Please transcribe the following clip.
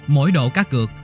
mỗi độ cá cược